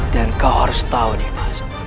dan kamu harus tahu nih mas